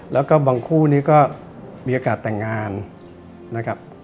แล้วก็บางคู่นี้ก็มีโอกาสแต่งงานนะครับ